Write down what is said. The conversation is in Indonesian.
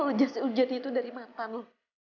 kau jasih ujati itu dari mantan lu